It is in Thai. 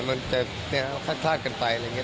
มันจะพลาดกันไปอะไรอย่างนี้